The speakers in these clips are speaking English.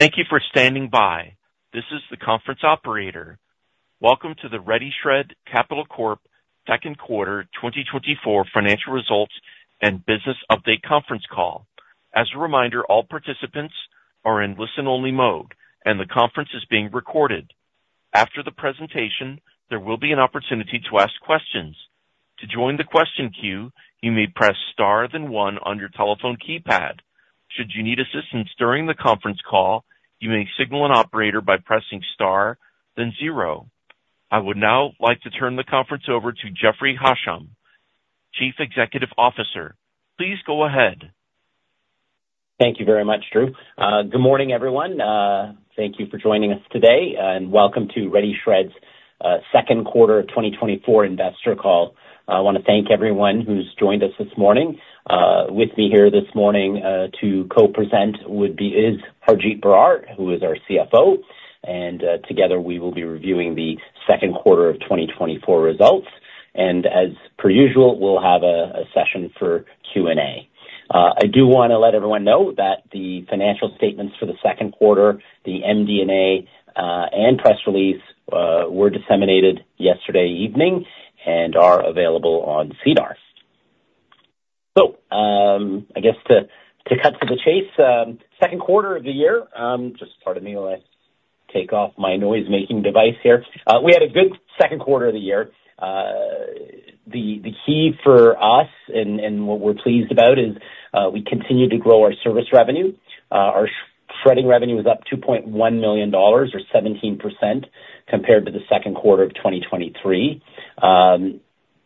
Thank you for standing by. This is the conference operator. Welcome to the RediShred Capital Corp Second Quarter 2024 Financial Results and Business Update conference call. As a reminder, all participants are in listen-only mode, and the conference is being recorded. After the presentation, there will be an opportunity to ask questions. To join the question queue, you may press star, then one on your telephone keypad. Should you need assistance during the conference call, you may signal an operator by pressing star, then zero. I would now like to turn the conference over to Jeffrey Hasham, Chief Executive Officer. Please go ahead. Thank you very much, Drew. Good morning, everyone. Thank you for joining us today, and welcome to RediShred's second quarter of twenty twenty-four investor call. I wanna thank everyone who's joined us this morning. With me here this morning, to co-present is Harjit Brar, who is our CFO, and, together, we will be reviewing the second quarter of twenty twenty-four results. And as per usual, we'll have a session for Q&A. I do wanna let everyone know that the financial statements for the second quarter, the MD&A, and press release were disseminated yesterday evening and are available on SEDAR. So, I guess to cut to the chase, second quarter of the year -- just pardon me while I take off my noise-making device here. We had a good second quarter of the year. The key for us and what we're pleased about is we continue to grow our service revenue. Our shredding revenue was up 2.1 million dollars or 17% compared to the second quarter of 2023,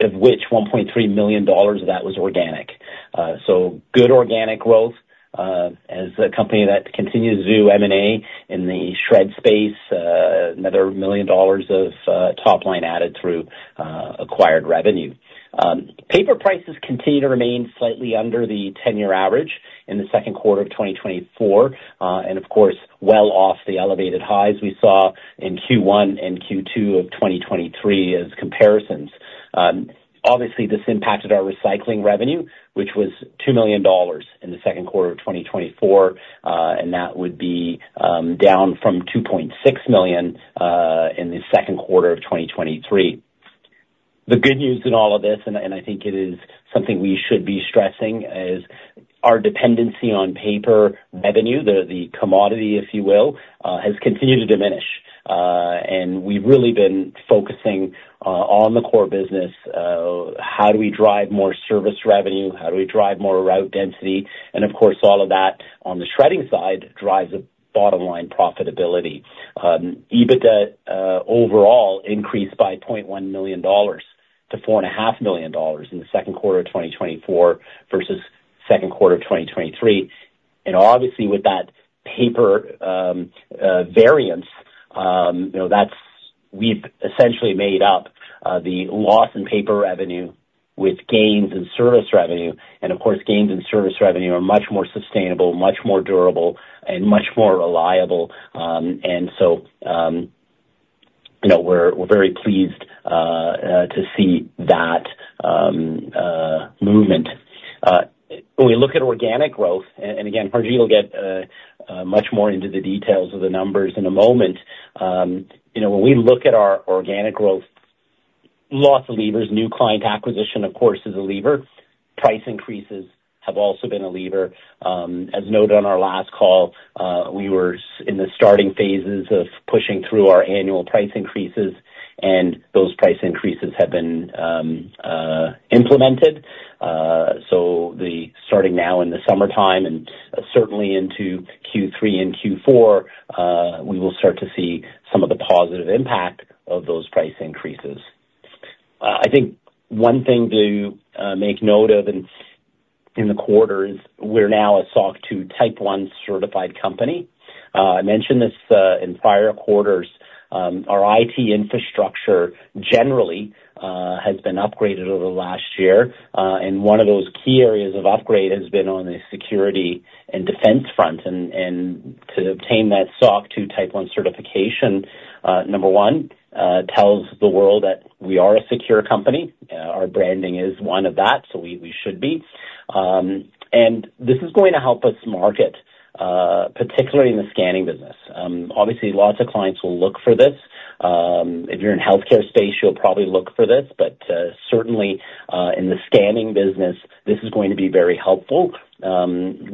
of which 1.3 million dollars of that was organic. So good organic growth, as a company that continues to do M&A in the shred space, another 1 million dollars of top line added through acquired revenue. Paper prices continued to remain slightly under the ten-year average in the second quarter of 2024, and of course, well off the elevated highs we saw in Q1 and Q2 of 2023 as comparisons. Obviously, this impacted our recycling revenue, which was 2 million dollars in the second quarter of 2024, and that would be down from 2.6 million in the second quarter of 2023. The good news in all of this, and I think it is something we should be stressing, is our dependency on paper revenue, the commodity, if you will, has continued to diminish. And we've really been focusing on the core business. How do we drive more service revenue? How do we drive more route density? And of course, all of that, on the shredding side, drives a bottom-line profitability. EBITDA overall increased by 0.1 million dollars to 4.5 million dollars in the second quarter of 2024 versus second quarter of 2023. And obviously, with that paper variance, you know, we've essentially made up the loss in paper revenue with gains in service revenue, and of course, gains in service revenue are much more sustainable, much more durable, and much more reliable. And so, you know, we're very pleased to see that movement. When we look at organic growth, and again, Harjit will get much more into the details of the numbers in a moment. You know, when we look at our organic growth, lots of levers, new client acquisition, of course, is a lever. Price increases have also been a lever. As noted on our last call, we were in the starting phases of pushing through our annual price increases, and those price increases have been implemented. So, starting now in the summertime and certainly into Q3 and Q4, we will start to see some of the positive impact of those price increases. I think one thing to make note of in the quarter is we're now a SOC 2 Type 1 certified company. I mentioned this in prior quarters. Our IT infrastructure generally has been upgraded over the last year, and one of those key areas of upgrade has been on the security and defense front. And to obtain that SOC 2 Type 1 certification, number one, tells the world that we are a secure company. Our branding is one of that, so we should be. And this is going to help us market, particularly in the scanning business. Obviously, lots of clients will look for this. If you're in healthcare space, you'll probably look for this, but certainly in the scanning business, this is going to be very helpful. Many,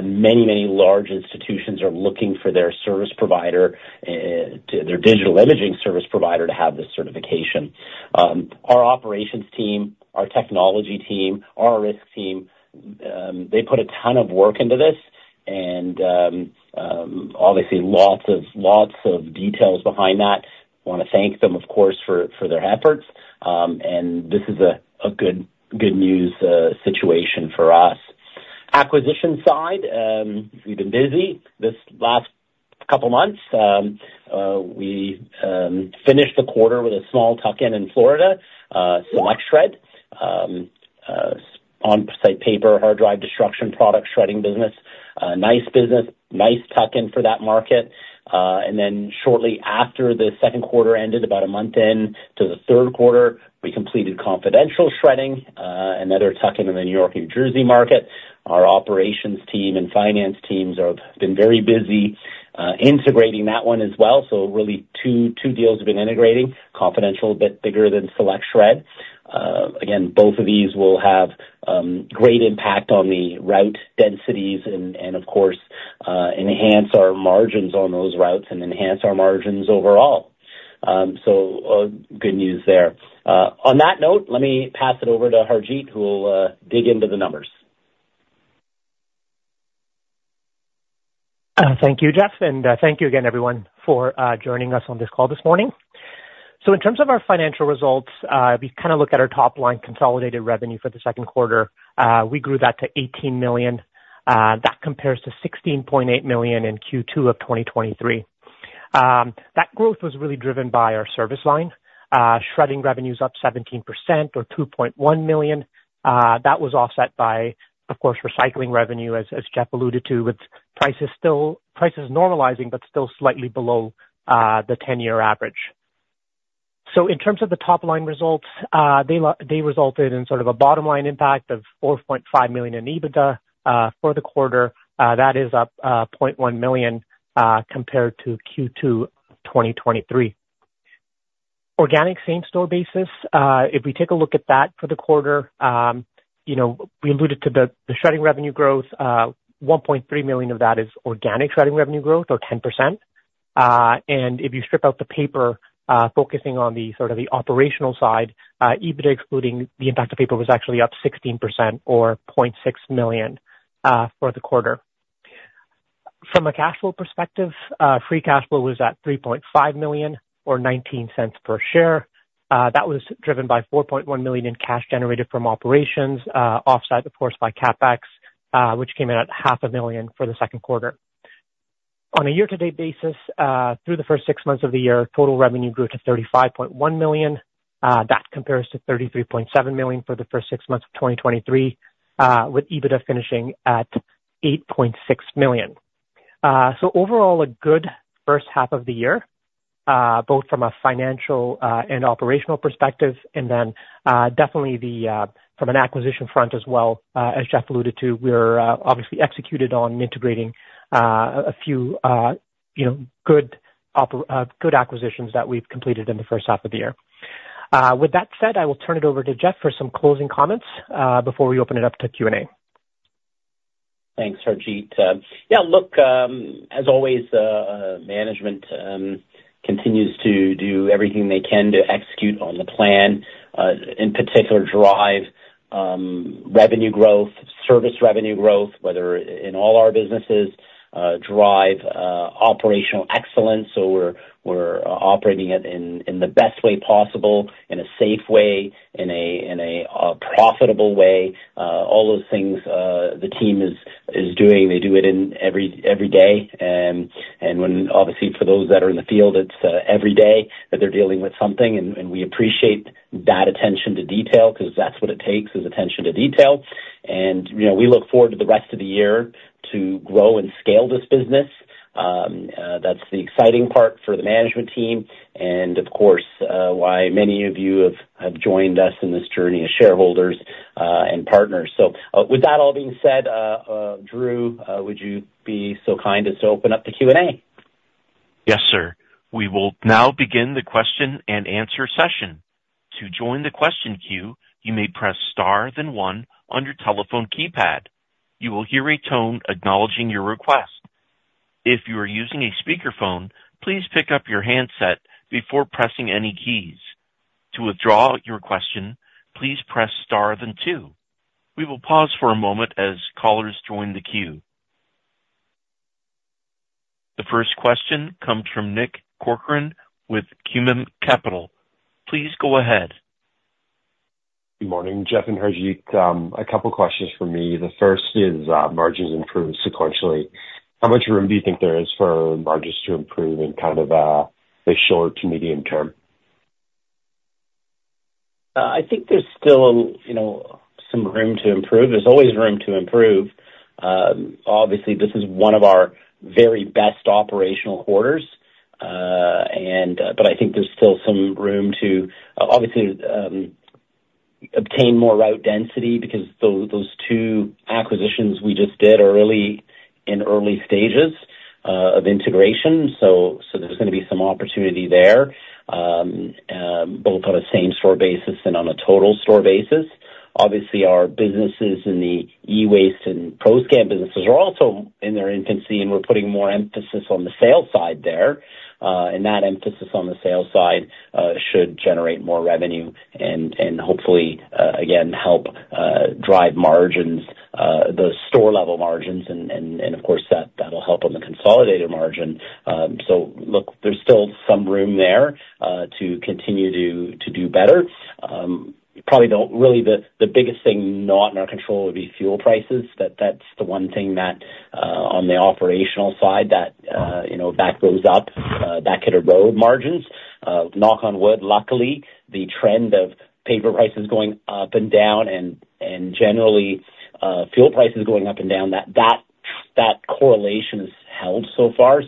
many large institutions are looking for their service provider to their digital imaging service provider to have this certification. Our operations team, our technology team, our risk team, they put a ton of work into this and obviously lots of details behind that. Wanna thank them, of course, for their efforts, and this is a good news situation for us. Acquisition side, we've been busy this last couple months. We finished the quarter with a small tuck-in in Florida, SelectShred, on-site paper, hard drive destruction, product shredding business. Nice business, nice tuck-in for that market. And then shortly after the second quarter ended, about a month into the third quarter, we completed Confidential Shredding, another tuck-in in the New York, New Jersey market. Our operations team and finance teams have been very busy integrating that one as well. So really two deals have been integrating. Confidential, a bit bigger than SelectShred. Again, both of these will have great impact on the route densities and, of course, enhance our margins on those routes and enhance our margins overall. So, good news there. On that note, let me pass it over to Harjit, who will dig into the numbers. Thank you, Jeff, and thank you again everyone for joining us on this call this morning. So in terms of our financial results, if you kind of look at our top line consolidated revenue for the second quarter, we grew that to 18 million. That compares to 16.8 million in Q2 of 2023. That growth was really driven by our service line. Shredding revenues up 17% or 2.1 million. That was offset by, of course, recycling revenue, as Jeff alluded to, with prices still normalizing, but still slightly below the ten-year average. So in terms of the top line results, they resulted in sort of a bottom line impact of 4.5 million in EBITDA for the quarter. That is up 0.1 million compared to Q2 2023. Organic same-store basis, if we take a look at that for the quarter, you know, we alluded to the shredding revenue growth. 1.3 million of that is organic shredding revenue growth or 10%. And if you strip out the paper, focusing on the sort of the operational side, EBITDA excluding the impact of paper was actually up 16% or 0.6 million for the quarter. From a cash flow perspective, free cash flow was at 3.5 million or 0.19 per share. That was driven by 4.1 million in cash generated from operations, offset of course by CapEx, which came in at 0.5 million for the second quarter. On a year-to-date basis, through the first six months of the year, total revenue grew to 35.1 million. That compares to 33.7 million for the first six months of 2023, with EBITDA finishing at 8.6 million. So overall, a good first half of the year, both from a financial, and operational perspective and then, definitely the, from an acquisition front as well. As Jeff alluded to, we're obviously executed on integrating, a few, you know, good acquisitions that we've completed in the first half of the year. With that said, I will turn it over to Jeff for some closing comments, before we open it up to Q&A. Thanks, Harjit. Yeah, look, as always, management continues to do everything they can to execute on the plan, in particular, drive revenue growth, service revenue growth, whether in all our businesses, drive operational excellence. So we're operating it in the best way possible, in a safe way, in a profitable way. All those things, the team is doing. They do it every day. And when obviously for those that are in the field, it's every day that they're dealing with something, and we appreciate that attention to detail, because that's what it takes, is attention to detail. You know, we look forward to the rest of the year to grow and scale this business. That's the exciting part for the management team and of course why many of you have joined us in this journey as shareholders and partners. So, with that all being said, Drew, would you be so kind as to open up the Q&A? Yes, sir. We will now begin the Q&A session. To join the question queue, you may press star then one on your telephone keypad. You will hear a tone acknowledging your request. If you are using a speakerphone, please pick up your handset before pressing any keys. To withdraw your question, please press star then two. We will pause for a moment as callers join the queue. The first question comes from Nick Corcoran with Cormark Securities. Please go ahead. Good morning, Jeff and Harjit. A couple questions for me. The first is, margins improved sequentially. How much room do you think there is for margins to improve in kind of, the short to medium term? I think there's still, you know, some room to improve. There's always room to improve. Obviously, this is one of our very best operational quarters. But I think there's still some room to obviously obtain more route density, because those two acquisitions we just did are early stages of integration. So there's gonna be some opportunity there, both on a same store basis and on a total store basis. Obviously, our businesses in the e-waste and ProScan businesses are also in their infancy, and we're putting more emphasis on the sales side there. And that emphasis on the sales side should generate more revenue and hopefully again help drive margins, the store level margins. And of course, that'll help on the consolidated margin. So look, there's still some room there to continue to do better. Probably really the biggest thing not in our control would be fuel prices, that that's the one thing that on the operational side, you know, if that goes up, that could erode margins. Knock on wood, luckily, the trend of paper prices going up and down and generally fuel prices going up and down, that correlation has held so far,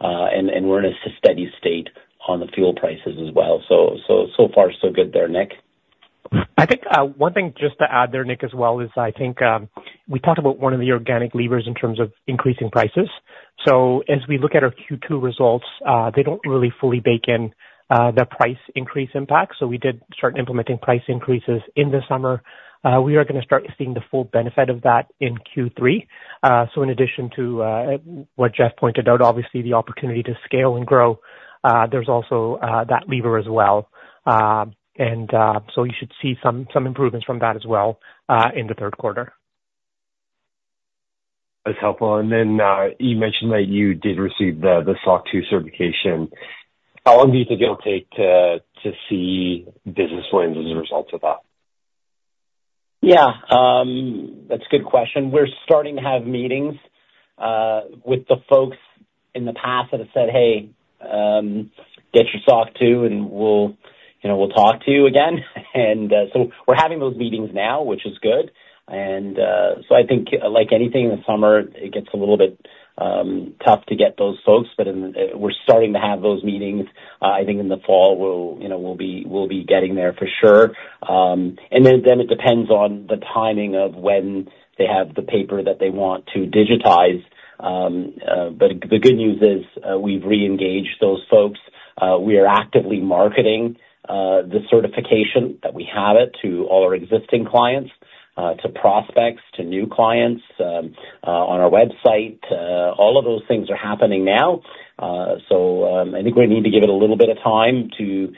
and we're in a steady state on the fuel prices as well. So far, so good there, Nick. I think, one thing just to add there, Nick, as well, is I think, we talked about one of the organic levers in terms of increasing prices. So as we look at our Q2 results, they don't really fully bake in, the price increase impact. So we did start implementing price increases in the summer. We are gonna start seeing the full benefit of that in Q3. So in addition to, what Jeff pointed out, obviously, the opportunity to scale and grow, there's also, that lever as well. And, so you should see some improvements from that as well, in the third quarter. That's helpful. And then, you mentioned that you did receive the SOC 2 certification. How long do you think it'll take to see business wins as a result of that? Yeah, that's a good question. We're starting to have meetings with the folks in the past that have said, "Hey, get your SOC 2, and we'll, you know, we'll talk to you again." And so we're having those meetings now, which is good. And so I think like anything in the summer, it gets a little bit tough to get those folks, but in, we're starting to have those meetings. I think in the fall we'll, you know, we'll be, we'll be getting there for sure. And then it depends on the timing of when they have the paper that they want to digitize. But the good news is, we've reengaged those folks. We are actively marketing the certification that we have it to all our existing clients, to prospects, to new clients, on our website. All of those things are happening now. So, I think we need to give it a little bit of time to...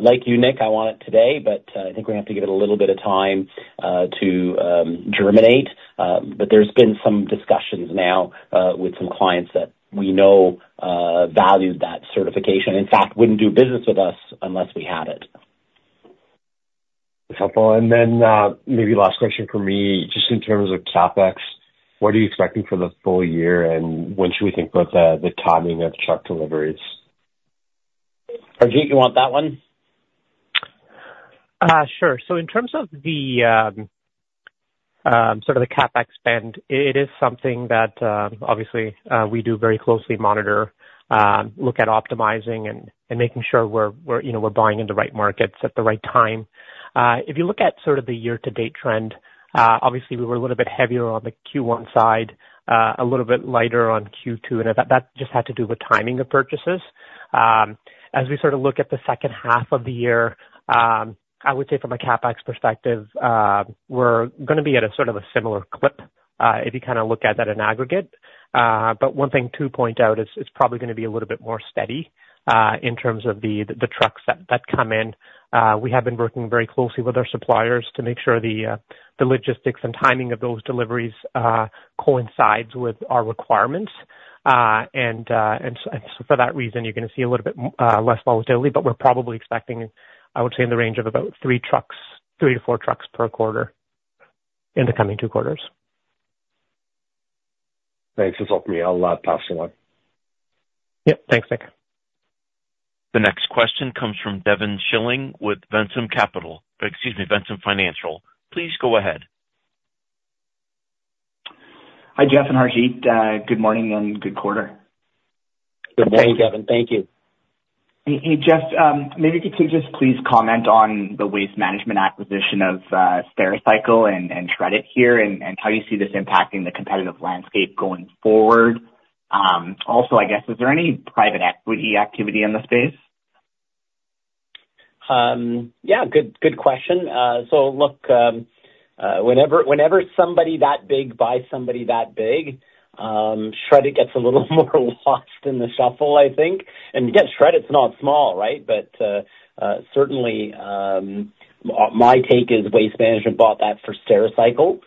Like you, Nick, I want it today, but, I think we have to give it a little bit of time, to, germinate. But there's been some discussions now, with some clients that we know, value that certification, in fact, wouldn't do business with us unless we had it. Helpful. And then, maybe last question for me, just in terms of CapEx, what are you expecting for the full year, and when should we think about the timing of truck deliveries? Harjit, you want that one? Sure. So in terms of the sort of the CapEx spend, it is something that obviously we do very closely monitor, look at optimizing and making sure we're you know we're buying in the right markets at the right time. If you look at sort of the year-to-date trend, obviously we were a little bit heavier on the Q1 side, a little bit lighter on Q2, and that just had to do with timing of purchases. As we sort of look at the second half of the year, I would say from a CapEx perspective, we're gonna be at a sort of a similar clip, if you kind of look at that in aggregate. But one thing to point out is it's probably gonna be a little bit more steady in terms of the trucks that come in. We have been working very closely with our suppliers to make sure the logistics and timing of those deliveries coincides with our requirements, and so for that reason, you're gonna see a little bit less volatility, but we're probably expecting, I would say, in the range of about three trucks, three to four trucks per quarter in the coming two quarters. Thanks. That's all for me. I'll pass along. Yep. Thanks, Nick. The next question comes from Devin Shilling with Ventum Capital, excuse me, Ventum Financial. Please go ahead. Hi, Jeff and Harjit. Good morning and good quarter. Good morning, Devin. Thank you. Hey, Jeff, maybe could you just please comment on the Waste Management acquisition of Stericycle and Shred-it here, and how you see this impacting the competitive landscape going forward? Also, I guess, is there any private equity activity in the space? Yeah, good, good question. So look, whenever somebody that big buys somebody that big, Shred-it gets a little more lost in the shuffle, I think. And again, Shred-it's not small, right? But certainly, my take is Waste Management bought that for Stericycle.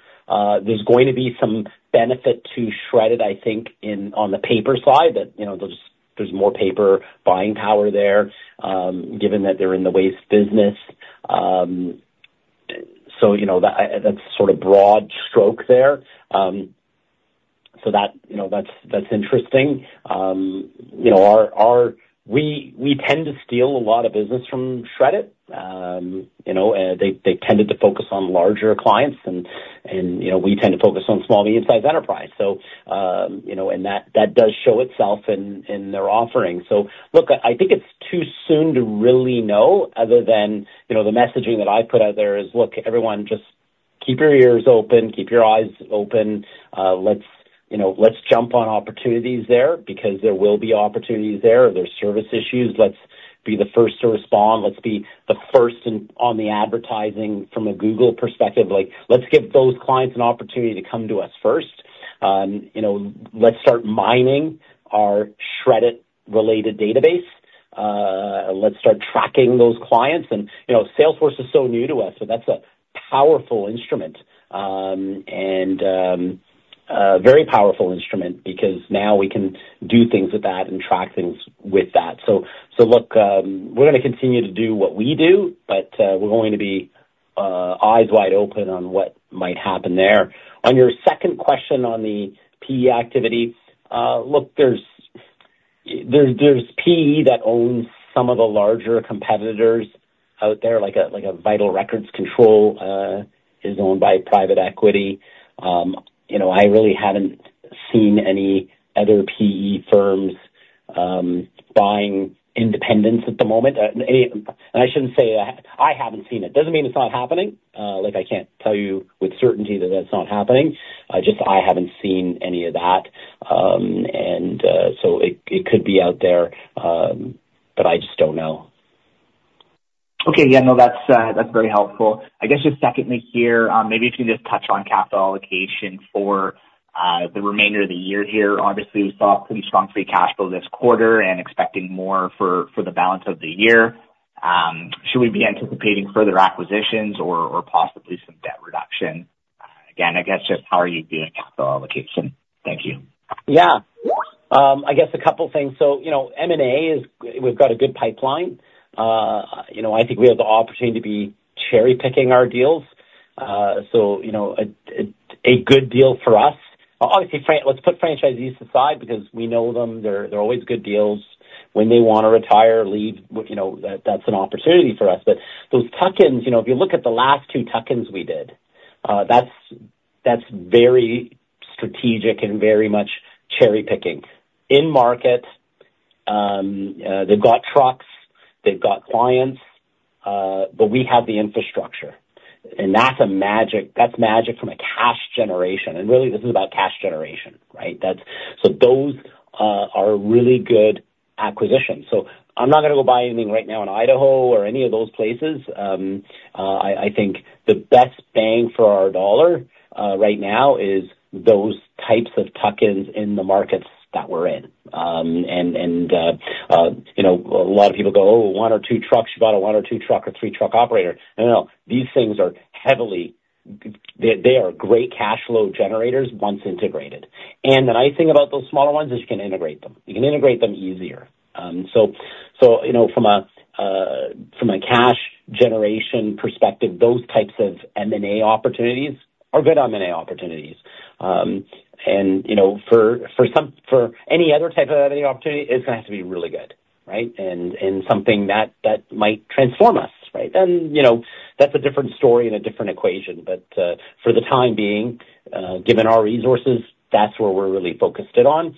There's going to be some benefit to Shred-it, I think, in on the paper side, that you know, there's more paper buying power there, given that they're in the waste business. So you know, that's sort of broad stroke there. You know, our, we tend to steal a lot of business from Shred-it. You know, they tended to focus on larger clients, and you know, we tend to focus on small to midsize enterprise. So, you know, and that that does show itself in their offerings. So look, I think it's too soon to really know, other than, you know, the messaging that I put out there is, "Look, everyone, just keep your ears open. Keep your eyes open. Let's, you know, let's jump on opportunities there, because there will be opportunities there. If there's service issues, let's be the first to respond. Let's be the first in, on the advertising from a Google perspective." Like, let's give those clients an opportunity to come to us first. You know, let's start mining our Shred-it related database. Let's start tracking those clients. And, you know, Salesforce is so new to us, so that's a powerful instrument. And, a very powerful instrument because now we can do things with that and track things with that. So, so look, we're gonna continue to do what we do, but, we're going to be, eyes wide open on what might happen there. On your second question on the PE activity, look, there's PE that owns some of the larger competitors out there, like a Vital Records Control, is owned by private equity. You know, I really haven't seen any other PE firms, buying independents at the moment. And I shouldn't say I haven't seen it, doesn't mean it's not happening. Like, I can't tell you with certainty that that's not happening. Just, I haven't seen any of that. And, so it could be out there, but I just don't know. Okay. Yeah, no, that's very helpful. I guess just secondly here, maybe if you could just touch on capital allocation for the remainder of the year here. Obviously, we saw pretty strong free cash flow this quarter and expecting more for the balance of the year. Should we be anticipating further acquisitions or possibly some debt reduction? Again, I guess just how are you doing capital allocation? Thank you. Yeah. I guess a couple things. So, you know, M&A is, we've got a good pipeline. You know, I think we have the opportunity to be cherry-picking our deals. So, you know, a good deal for us. Obviously, let's put franchisees aside, because we know them, they're always good deals. When they wanna retire, leave, you know, that's an opportunity for us. But those tuck-ins, you know, if you look at the last two tuck-ins we did, that's very strategic and very much cherry-picking. In market, they've got trucks, they've got clients, but we have the infrastructure, and that's magic from a cash generation, and really, this is about cash generation, right? That's. So those are really good acquisitions. So I'm not gonna go buy anything right now in Idaho or any of those places. I think the best bang for our dollar right now is those types of tuck-ins in the markets that we're in. And you know, a lot of people go, "Oh, one or two trucks, you bought a one or two truck or three truck operator." No, no, these things are heavily... They are great cash flow generators once integrated. And the nice thing about those smaller ones is you can integrate them, you can integrate them easier. So you know, from a cash generation perspective, those types of M&A opportunities are good M&A opportunities. And you know, for any other type of M&A opportunity, it's gonna have to be really good, right? And something that might transform us, right? Then, you know, that's a different story and a different equation. But, for the time being, given our resources, that's where we're really focused it on.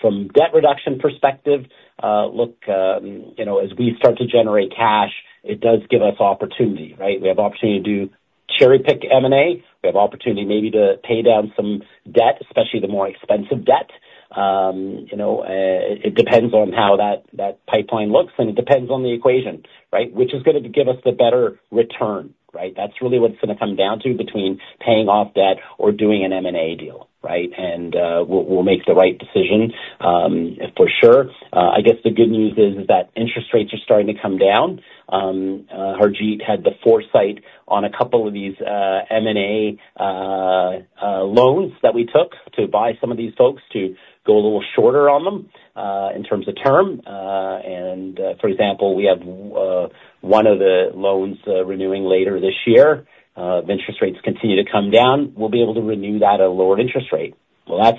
From debt reduction perspective, look, you know, as we start to generate cash, it does give us opportunity, right? We have opportunity to do cherry-pick M&A, we have opportunity maybe to pay down some debt, especially the more expensive debt. You know, it depends on how that pipeline looks, and it depends on the equation, right? Which is going to give us the better return, right? That's really what it's gonna come down to between paying off debt or doing an M&A deal, right? And, we'll make the right decision, for sure. I guess the good news is that interest rates are starting to come down. Harjit had the foresight on a couple of these M&A loans that we took to buy some of these folks to go a little shorter on them in terms of term. And for example, we have one of the loans renewing later this year. If interest rates continue to come down, we'll be able to renew that at a lower interest rate. Well, that's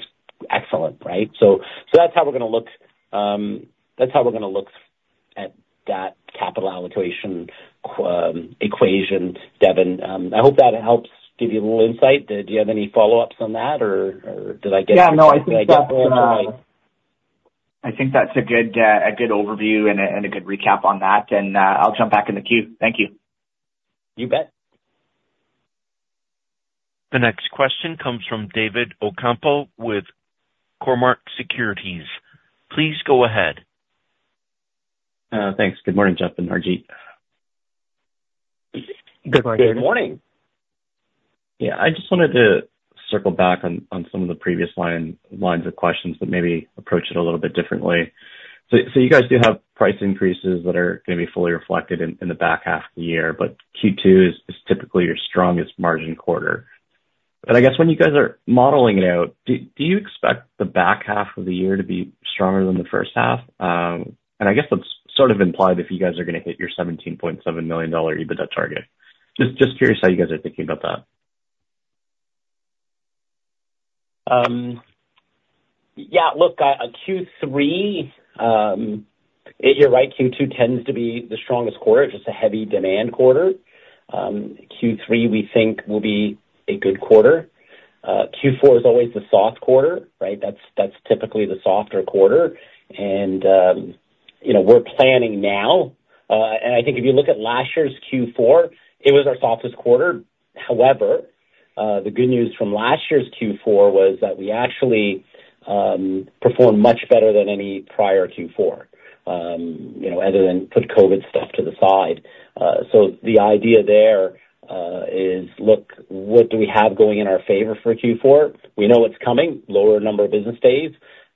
excellent, right? So that's how we're gonna look at that capital allocation equation, Devin. I hope that helps give you a little insight. Did you have any follow-ups on that or did I get Yeah, no, I think that, I think that's a good, a good overview and a, and a good recap on that, and, I'll jump back in the queue. Thank you. You bet. The next question comes from David Ocampo with Cormark Securities. Please go ahead. Thanks. Good morning, Jeff and Harjit. Good morning. Good morning! Yeah, I just wanted to circle back on some of the previous lines of questions, but maybe approach it a little bit differently. So you guys do have price increases that are gonna be fully reflected in the back half of the year, but Q2 is typically your strongest margin quarter. And I guess when you guys are modeling it out, do you expect the back half of the year to be stronger than the first half? And I guess that's sort of implied if you guys are gonna hit your 17.7 million dollar EBITDA target. Just curious how you guys are thinking about that. Yeah, look, Q3, you're right. Q2 tends to be the strongest quarter, just a heavy demand quarter. Q3, we think will be a good quarter. Q4 is always the soft quarter, right? That's typically the softer quarter, and you know, we're planning now, and I think if you look at last year's Q4, it was our softest quarter. However, the good news from last year's Q4 was that we actually performed much better than any prior Q4. You know, other than put COVID stuff to the side, so the idea there is, look, what do we have going in our favor for Q4? We know what's coming, lower number of business days.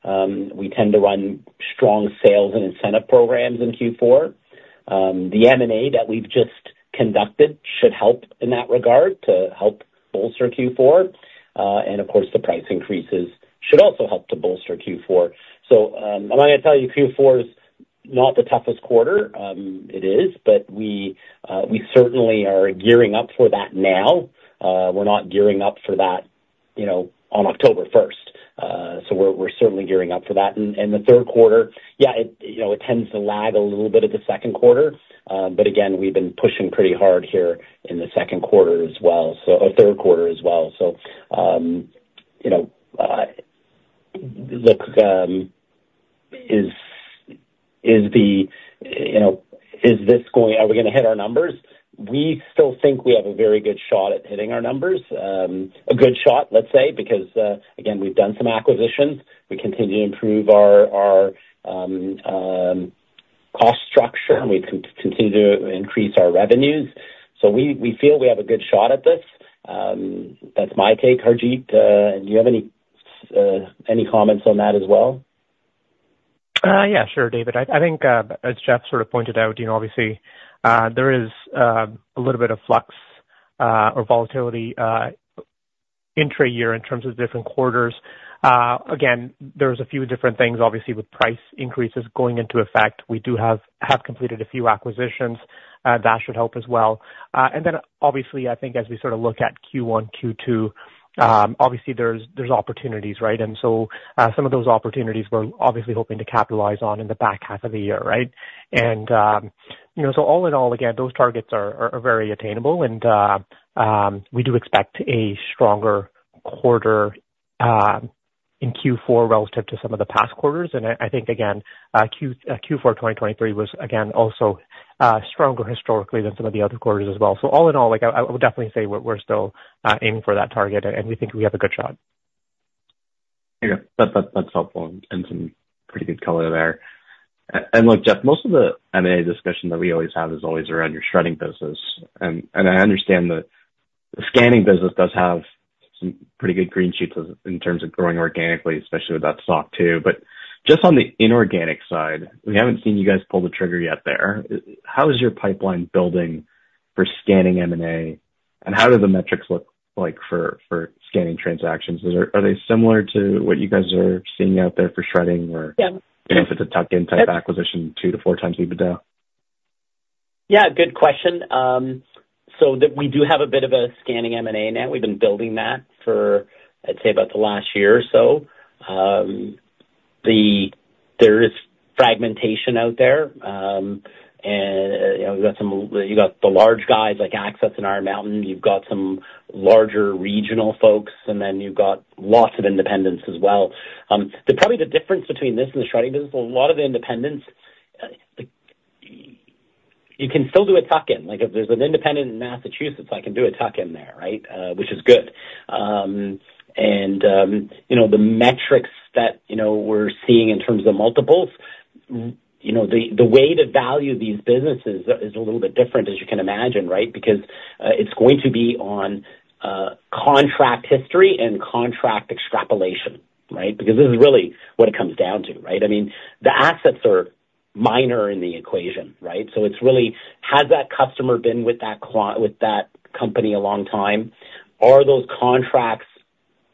We tend to run strong sales and incentive programs in Q4. The M&A that we've just conducted should help in that regard to help bolster Q4, and of course, the price increases should also help to bolster Q4, so I'm not gonna tell you Q4 is not the toughest quarter, it is, but we certainly are gearing up for that now. We're not gearing up for that, you know, on October first, so we're certainly gearing up for that, and the third quarter, yeah, you know, it tends to lag a little bit at the second quarter, but again, we've been pushing pretty hard here in the second quarter as well, so third quarter as well. You know, look, you know, are we gonna hit our numbers? We still think we have a very good shot at hitting our numbers. A good shot, let's say, because again, we've done some acquisitions. We continue to improve our cost structure, and we continue to increase our revenues, so we feel we have a good shot at this. That's my take, Harjit. Do you have any comments on that as well? Yeah, sure, David. I think as Jeff sort of pointed out, you know, obviously there is a little bit of flux or volatility intra year in terms of different quarters. Again, there's a few different things, obviously, with price increases going into effect. We have completed a few acquisitions that should help as well. And then obviously, I think as we sort of look at Q1, Q2, obviously there's opportunities, right? And so, some of those opportunities we're obviously hoping to capitalize on in the back half of the year, right? And, you know, so all in all, again, those targets are very attainable and we do expect a stronger quarter in Q4 relative to some of the past quarters. I think again, Q4 2023 was again also stronger historically than some of the other quarters as well. So all in all, like I would definitely say we're still aiming for that target, and we think we have a good shot. Yeah, that's helpful and some pretty good color there. And look, Jeff, most of the M&A discussion that we always have is always around your shredding business. And I understand the scanning business does have some pretty good green shoots in terms of growing organically, especially with that SOC 2. But just on the inorganic side, we haven't seen you guys pull the trigger yet there. How is your pipeline building for scanning M&A, and how do the metrics look like for scanning transactions? Are they similar to what you guys are seeing out there for shredding, or Yeah. If it's a tuck-in type acquisition, two to four times EBITDA? Yeah, good question. So we do have a bit of a scanning M&A now. We've been building that for, I'd say, about the last year or so. There is fragmentation out there. And, you know, you've got some, you've got the large guys like Access and Iron Mountain, you've got some larger regional folks, and then you've got lots of independents as well. Probably the difference between this and the shredding business, a lot of the independents, like, you can still do a tuck-in. Like if there's an independent in Massachusetts, I can do a tuck-in there, right? Which is good. And, you know, the metrics that, you know, we're seeing in terms of multiples, you know, the, the way to value these businesses is a little bit different, as you can imagine, right? Because it's going to be on contract history and contract extrapolation, right? Because this is really what it comes down to, right? I mean, the assets are minor in the equation, right? So it's really, has that customer been with that company a long time? Are those contracts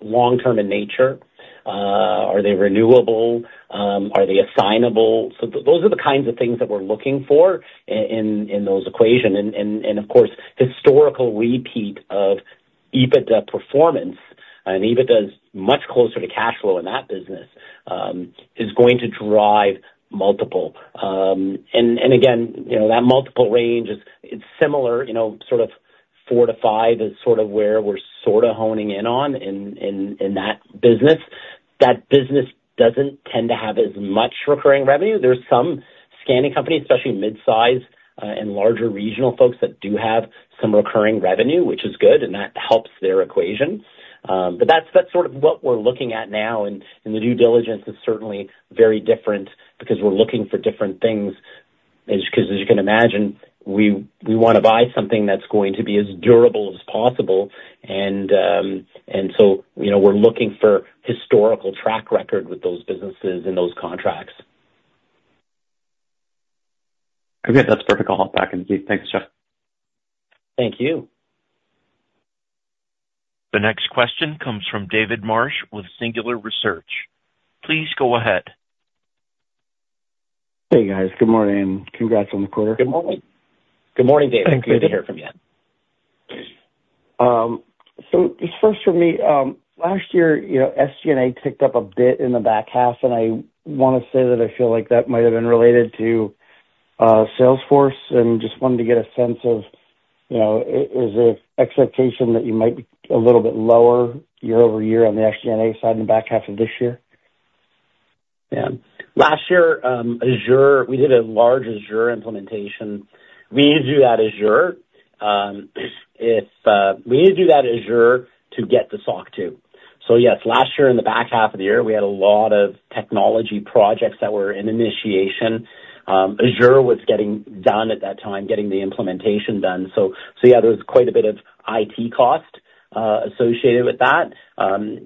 long-term in nature? Are they renewable? Are they assignable? So those are the kinds of things that we're looking for in that equation. And of course, historical repeat of EBITDA performance, and EBITDA is much closer to cash flow in that business, is going to drive multiple. And again, you know, that multiple range is, it's similar, you know, sort of four to five is sort of where we're sort of honing in on in that business. That business doesn't tend to have as much recurring revenue. There's some scanning companies, especially mid-size, and larger regional folks, that do have some recurring revenue, which is good, and that helps their equation. But that's sort of what we're looking at now. And the due diligence is certainly very different because we're looking for different things. 'Cause as you can imagine, we wanna buy something that's going to be as durable as possible, and so, you know, we're looking for historical track record with those businesses and those contracts. Okay, that's perfect. I'll hop back in, Jeff. Thanks, Jeff. Thank you. The next question comes from David Marsh with Singular Research. Please go ahead. Hey, guys. Good morning, and congrats on the quarter. Good morning. Good morning, David. Thanks. Good to hear from you. So just first for me, last year, you know, SG&A ticked up a bit in the back half, and I wanna say that I feel like that might have been related to Salesforce, and just wanted to get a sense of, you know, is it expectation that you might be a little bit lower year-over-year on the SG&A side in the back half of this year? Yeah. Last year, Azure, we did a large Azure implementation. We need to do that Azure to get to SOC 2. Yes, last year, in the back half of the year, we had a lot of technology projects that were in initiation. Azure was getting done at that time, getting the implementation done. Yeah, there was quite a bit of IT cost associated with that.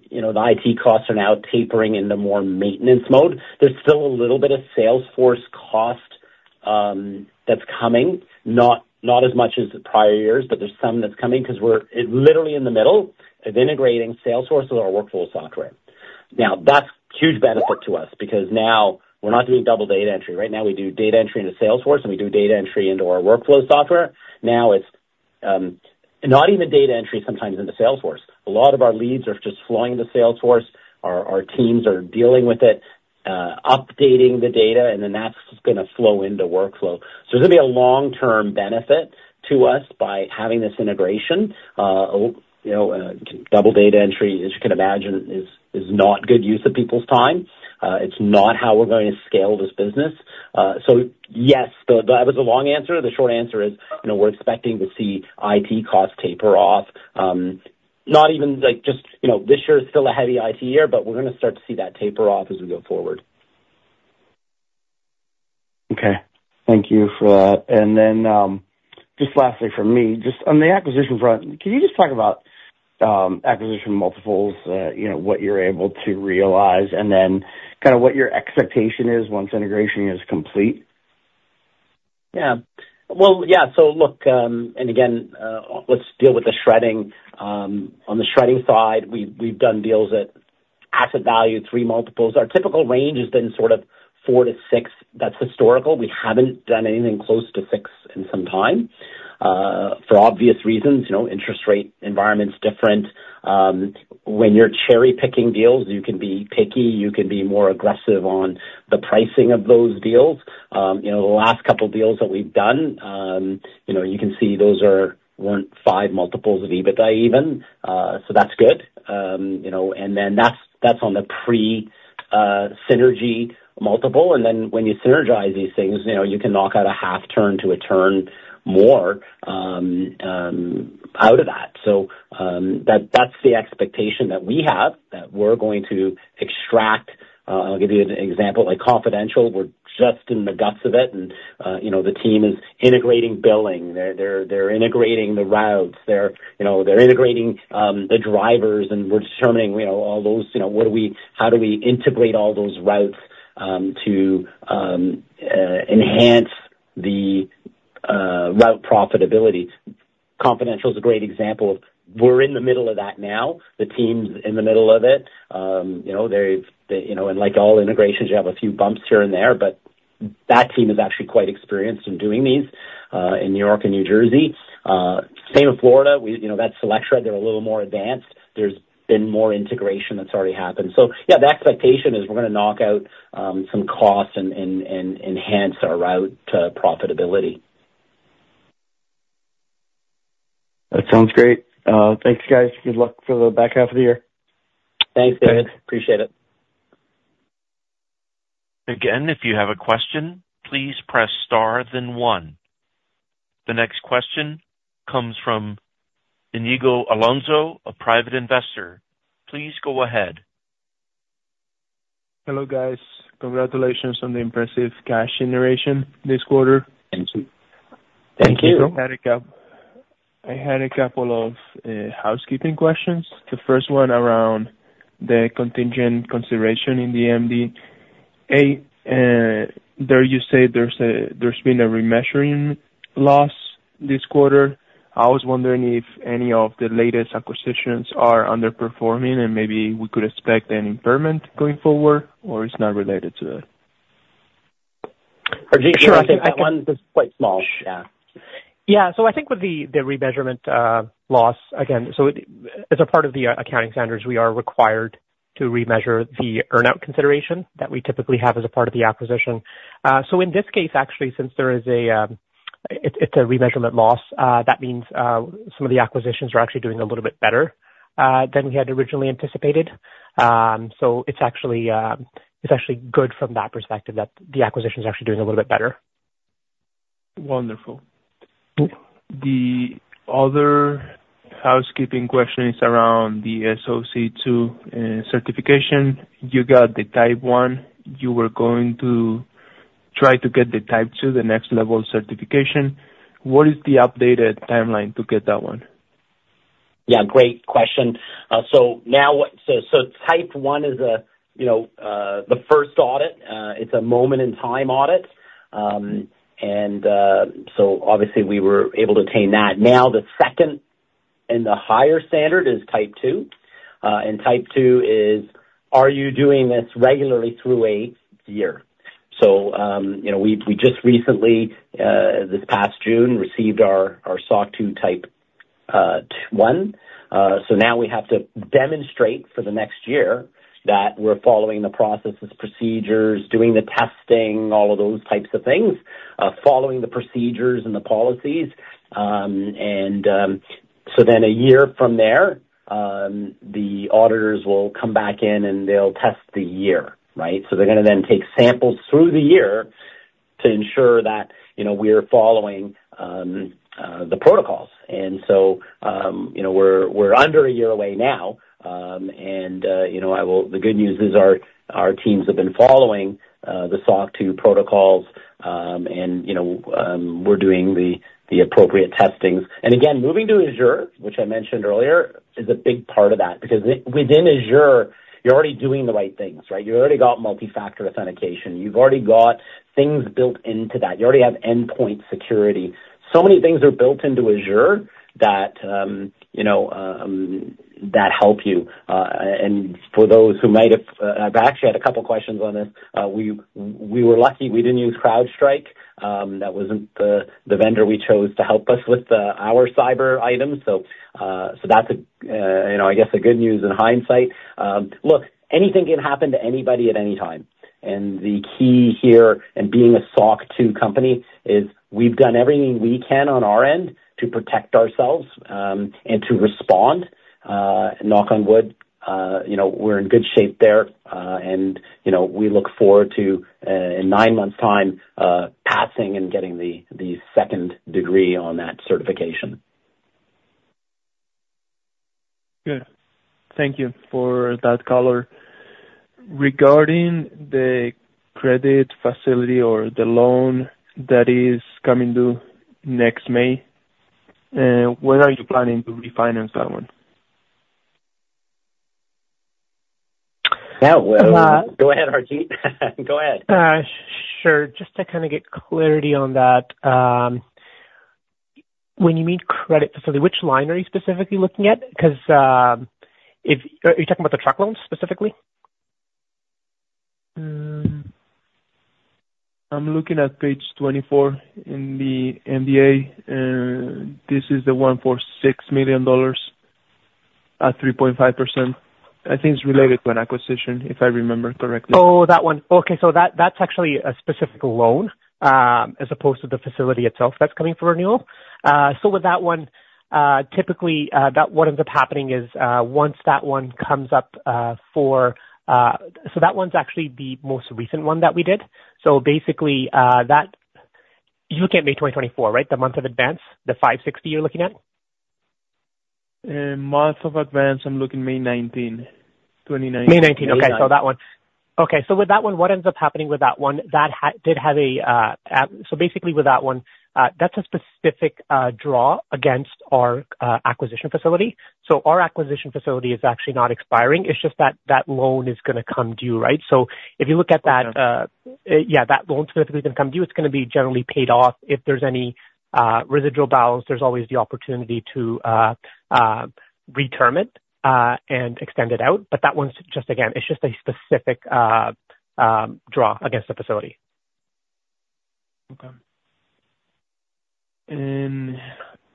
You know, the IT costs are now tapering into more maintenance mode. There's still a little bit of Salesforce cost that's coming, not as much as the prior years, but there's some that's coming because we're literally in the middle of integrating Salesforce into our workflow software. Now, that's huge benefit to us because now we're not doing double data entry. Right now, we do data entry into Salesforce, and we do data entry into our workflow software. Now it's not even data entry sometimes into Salesforce. A lot of our leads are just flowing into Salesforce. Our teams are dealing with it, updating the data, and then that's gonna flow into workflow. So there's gonna be a long-term benefit to us by having this integration. You know, double data entry, as you can imagine, is not good use of people's time. It's not how we're going to scale this business. So yes, that was the long answer. The short answer is, you know, we're expecting to see IT costs taper off, not even like just, you know, this year is still a heavy IT year, but we're gonna start to see that taper off as we go forward. Okay. Thank you for that. And then, just lastly from me, just on the acquisition front, can you just talk about acquisition multiples, you know, what you're able to realize, and then kind of what your expectation is once integration is complete? Yeah. Well, yeah, so look, and again, let's deal with the shredding. On the shredding side, we've done deals at asset value, three multiples. Our typical range has been sort of four to six. That's historical. We haven't done anything close to six in some time, for obvious reasons, you know, interest rate environment's different. When you're cherry-picking deals, you can be picky, you can be more aggressive on the pricing of those deals. You know, the last couple deals that we've done, you know, you can see those weren't five multiples of EBITDA even. So that's good. You know, and then that's on the pre-synergy multiple. And then when you synergize these things, you know, you can knock out a half turn to a turn more out of that. That's the expectation that we have, that we're going to extract. I'll give you an example, like Confidential, we're just in the guts of it, and, you know, the team is integrating billing. They're integrating the routes. They're integrating the drivers, and we're determining all those, you know, how do we integrate all those routes to enhance the route profitability? Confidential is a great example. We're in the middle of that now. The team's in the middle of it. You know, they, you know, and like all integrations, you have a few bumps here and there, but that team is actually quite experienced in doing these in New York and New Jersey. Same in Florida. You know, that SelectShred, they're a little more advanced. There's been more integration that's already happened. So yeah, the expectation is we're gonna knock out some costs and enhance our route profitability. That sounds great. Thanks, guys. Good luck for the back half of the year. Thanks, David. Appreciate it. Again, if you have a question, please press star then one. The next question comes from Inigo Alonso, a private investor. Please go ahead. Hello, guys. Congratulations on the impressive cash generation this quarter. Thank you. Thank you. I had a couple of housekeeping questions. The first one around the contingent consideration in the MD&A. There you say there's been a remeasuring loss this quarter. I was wondering if any of the latest acquisitions are underperforming, and maybe we could expect an impairment going forward, or it's not related to it? Sure, I think that one is quite small. Yeah. Yeah. So I think with the remeasurement loss, again. So, as a part of the accounting standards, we are required to remeasure the earn-out consideration that we typically have as a part of the acquisition. So in this case, actually, since there is a, it's a remeasurement loss, that means some of the acquisitions are actually doing a little bit better than we had originally anticipated. So it's actually good from that perspective, that the acquisition is actually doing a little bit better. Wonderful. The other housekeeping question is around the SOC 2 certification. You got the Type 1. You were going to try to get the Type 2, the next level certification. What is the updated timeline to get that one? Yeah, great question. So Type 1 is a, you know, the first audit. It's a moment in time audit. And so obviously we were able to obtain that. Now, the second and the higher standard is Type 2. And Type 2 is, are you doing this regularly through a year? So you know, we just recently this past June received our SOC 2 Type 1. So now we have to demonstrate for the next year that we're following the processes, procedures, doing the testing, all of those types of things, following the procedures and the policies. And so then a year from there, the auditors will come back in and they'll test the year, right? So they're gonna then take samples through the year... to ensure that, you know, we're following the protocols. And so, you know, we're under a year away now, and you know, I will-- the good news is our teams have been following the SOC 2 protocols, and you know, we're doing the appropriate testings. And again, moving to Azure, which I mentioned earlier, is a big part of that, because within Azure, you're already doing the right things, right? You already got multifactor authentication, you've already got things built into that. You already have endpoint security. So many things are built into Azure that that help you. And for those who might have, I've actually had a couple of questions on this. We were lucky we didn't use CrowdStrike. That wasn't the vendor we chose to help us with our cyber items, so that's you know I guess good news in hindsight. Look, anything can happen to anybody at any time, and the key here in being a SOC 2 company is we've done everything we can on our end to protect ourselves and to respond. Knock on wood, you know, we're in good shape there, and you know we look forward to in nine months' time passing and getting the second degree on that certification. Good. Thank you for that color. Regarding the credit facility or the loan that is coming due next May, when are you planning to refinance that one? That, Go ahead, RJ. Go ahead. Sure. Just to kind of get clarity on that, when you mean credit facility, which line are you specifically looking at? Because, are you talking about the truck loans, specifically? I'm looking at page 24 in the MD&A, this is the one for 6 million dollars at 3.5%. I think it's related to an acquisition, if I remember correctly. Oh, that one. Okay. So that, that's actually a specific loan, as opposed to the facility itself that's coming for renewal. So with that one, typically, that what ends up happening is, once that one comes up, for... So that one's actually the most recent one that we did. So basically, that-- you're looking at May twenty twenty-four, right? The month of advance, the 560 you're looking at? Month in advance, I'm looking May 19, 2019. May nineteen. Okay, so that one. Okay, so with that one, what ends up happening with that one, that did have a, so basically with that one, that's a specific draw against our acquisition facility. So our acquisition facility is actually not expiring, it's just that that loan is gonna come due, right? So if you look at that, yeah, that loan specifically is gonna come due, it's gonna be generally paid off. If there's any residual balance, there's always the opportunity to reterm it and extend it out. But that one's just, again, it's just a specific draw against the facility. Okay. And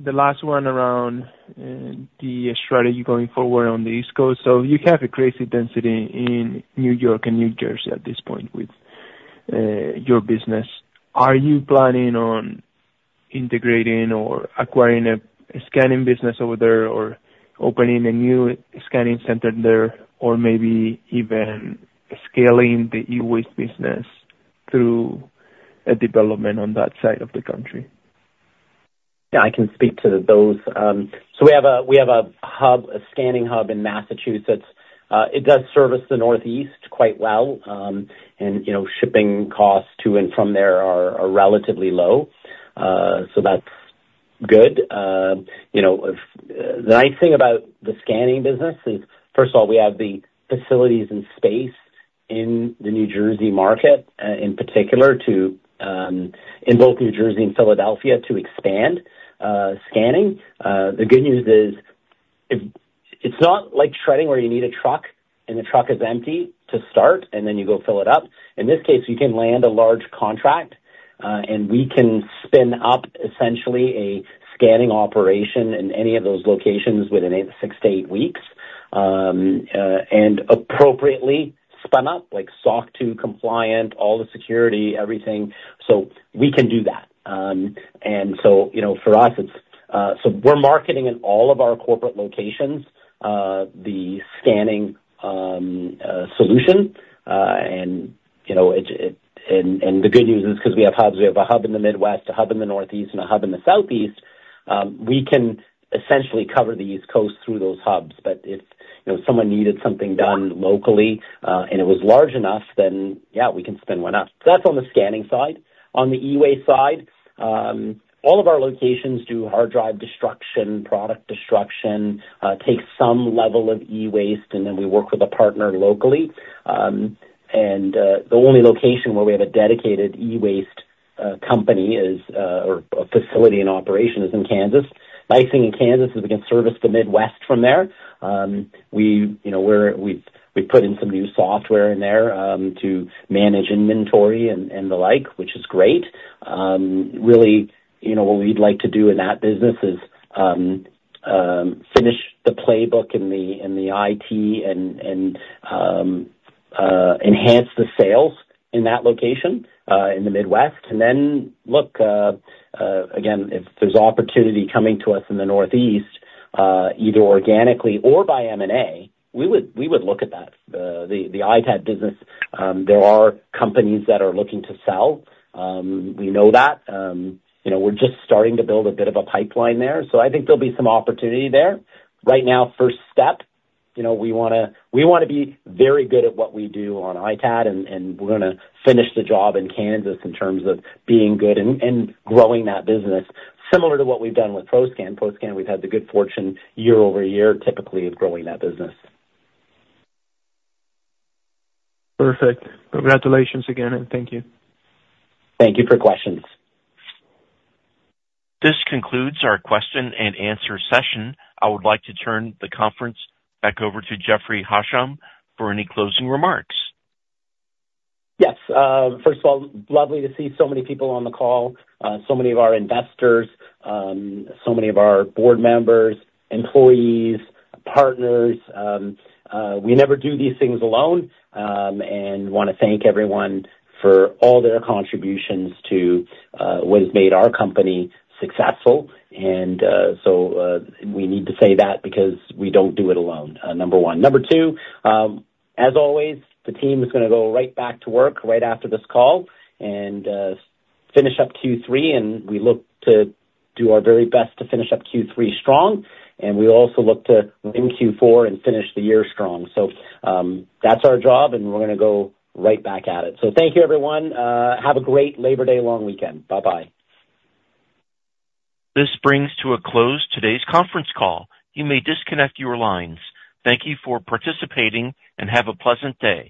the last one around the strategy going forward on the East Coast. So you have a crazy density in New York and New Jersey at this point with your business. Are you planning on integrating or acquiring a scanning business over there, or opening a new scanning center there, or maybe even scaling the e-waste business through a development on that side of the country? Yeah, I can speak to those. So we have a hub, a scanning hub in Massachusetts. It does service the Northeast quite well, and you know, shipping costs to and from there are relatively low. So that's good. You know, the nice thing about the scanning business is, first of all, we have the facilities and space in the New Jersey market, in particular, in both New Jersey and Philadelphia, to expand scanning. The good news is. It's not like shredding, where you need a truck and the truck is empty to start, and then you go fill it up. In this case, you can land a large contract, and we can spin up essentially a scanning operation in any of those locations within six to eight weeks. And appropriately spun up, like SOC 2 compliant, all the security, everything. So we can do that. And so, you know, for us, it's so we're marketing in all of our corporate locations the scanning solution. And, you know, it and the good news is because we have hubs, we have a hub in the Midwest, a hub in the Northeast, and a hub in the Southeast, we can essentially cover the East Coast through those hubs. But if, you know, someone needed something done locally, and it was large enough, then yeah, we can spin one up. So that's on the scanning side. On the e-waste side, all of our locations do hard drive destruction, product destruction, take some level of e-waste, and then we work with a partner locally. And, the only location where we have a dedicated e-waste company is, or a facility in operation, is in Kansas. Nice thing in Kansas is we can service the Midwest from there. We, you know, we've put in some new software in there to manage inventory and the like, which is great. Really, you know, what we'd like to do in that business is finish the playbook and the IT and enhance the sales in that location in the Midwest. And then look again if there's opportunity coming to us in the Northeast, either organically or by M&A, we would look at that. The ITAD business, there are companies that are looking to sell. We know that. You know, we're just starting to build a bit of a pipeline there, so I think there'll be some opportunity there. Right now, first step, you know, we wanna be very good at what we do on ITAD, and we're gonna finish the job in Kansas in terms of being good and growing that business, similar to what we've done with ProScan. ProScan, we've had the good fortune year-over-year, typically of growing that business. Perfect. Congratulations again, and thank you. Thank you for questions. This concludes our Q&A session. I would like to turn the conference back over to Jeffrey Hasham for any closing remarks. Yes. First of all, lovely to see so many people on the call. So many of our investors, so many of our board members, employees, partners. We never do these things alone, and wanna thank everyone for all their contributions to what has made our company successful. And, so, we need to say that because we don't do it alone, number one. Number two, as always, the team is gonna go right back to work right after this call and finish up Q3, and we look to do our very best to finish up Q3 strong, and we also look to win Q4 and finish the year strong. So, that's our job, and we're gonna go right back at it. So thank you, everyone. Have a great Labor Day long weekend. Bye-bye. This brings to a close today's conference call. You may disconnect your lines. Thank you for participating, and have a pleasant day.